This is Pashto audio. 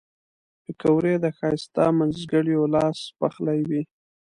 پکورې د ښایسته مینځګړیو لاس پخلي وي